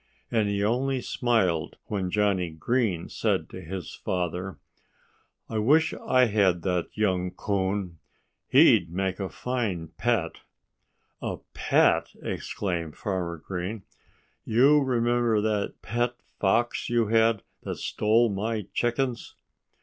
And he only smiled when Johnnie Green said to his father "I wish I had that young coon. He'd make a fine pet." "A pet!" exclaimed Farmer Green. "You remember that pet fox you had, that stole my chickens?"